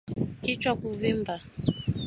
Kichwa kuvimba